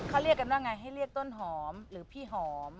เขาเรียกกันว่าไงให้เรียกต้นหอมหรือพี่หอม